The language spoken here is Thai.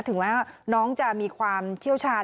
ถึงแม้ว่าน้องจะมีความเชี่ยวชาญ